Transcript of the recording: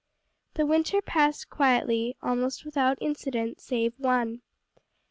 The winter passed quietly, almost without incident save one.